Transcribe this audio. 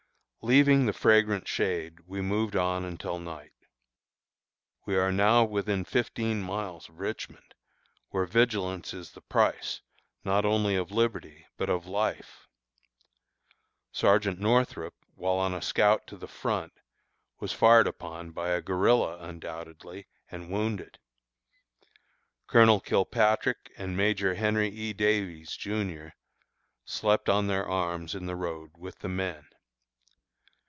Leaving the fragrant shade, we moved on until night. We are now within fifteen miles of Richmond, where vigilance is the price, not only of liberty, but of life. Sergeant Northrup, while on a scout to the front, was fired upon by a guerilla undoubtedly, and wounded. Colonel Kilpatrick and Major Henry E. Davies, Jr., slept on their arms in the road with the men.